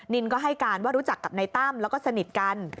นินก็ให้การว่ารู้จักกับนายตั้มแล้วก็สนิทกัน